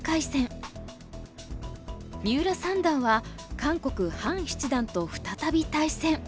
三浦三段は韓国ハン七段と再び対戦。